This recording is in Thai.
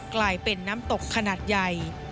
กลายเป็นน้ำตกขนาดใหญ่